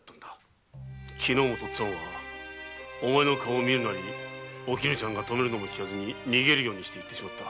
昨日とっつぁんはお前の顔を見るなりおきぬちゃんがとめるのもきかず逃げるように行ってしまった。